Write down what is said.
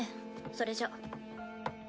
それじゃ。